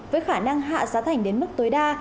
với khả năng hạ giá thành đến mức tối đa